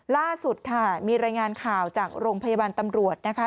ล่าสุดค่ะมีรายงานข่าวจากโรงพยาบาลตำรวจนะคะ